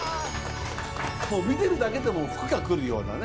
見てるだけでも福が来るようなね。